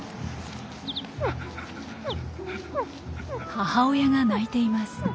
母親が鳴いています。